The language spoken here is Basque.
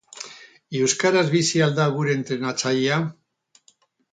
Euskaraz bizi al da gure entrenatzailea?